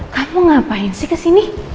kamu ngapain sih kesini